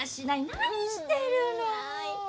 何してるの！